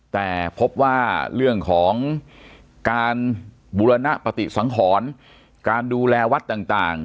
แต่พบว่าเรื่องของการบูรณปฏิสังหรณ์การดูแลวัดต่าง